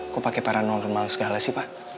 kok pakai paranormal segala sih pak